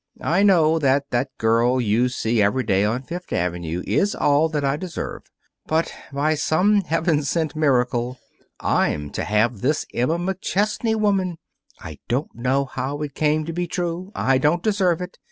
I know that that girl you see every day on Fifth Avenue is all that I deserve. But, by some heaven sent miracle, I'm to have this Emma McChesney woman! I don't know how it came to be true. I don't deserve it.